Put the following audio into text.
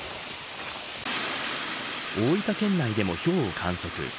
大分県内でもひょうを観測。